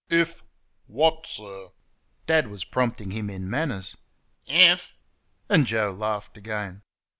"If what, sir?" Dad was prompting him in manners. "IF?" and Joe laughed again.